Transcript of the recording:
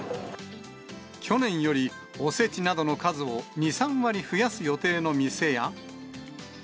去年よりおせちなどの数を２、３割増やす予定の店や。